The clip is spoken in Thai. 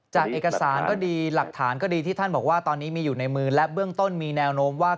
จากเอกสารก็ดีหลักฐานก็ดีที่ท่านบอกว่าตอนนี้มีอยู่ในมือและเบื้องต้นมีแนวโน้มว่า